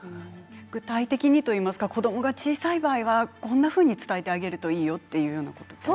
具体的にといいますか子どもが小さい時にはこんなふうに伝えてあげたらいいよ、というのは？